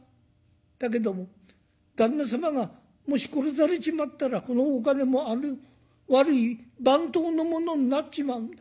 だけども旦那様がもし殺されちまったらこのお金もあの悪い番頭のものになっちまうんだ。